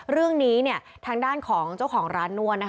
เรื่องนี้ทางด้านของเจ้าของร้านนวด